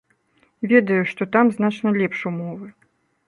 Ведаю, што там значна лепш умовы.